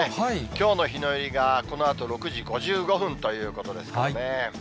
きょうの日の入りが、このあと６時５５分ということですけどね。